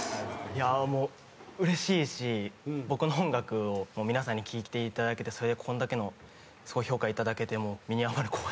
うれしいし僕の音楽を皆さんに聴いていただけてそれでこんだけの評価頂けて身に余る光栄です